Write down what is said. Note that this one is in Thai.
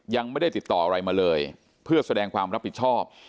ยังไม่ได้ติดต่ออะไรมาเลยเพื่อแสดงความรับผิดชอบ